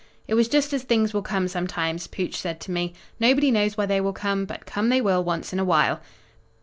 "It was just as things will come sometimes," Pooch said to me. "Nobody knows why they will come, but come they will once in a while."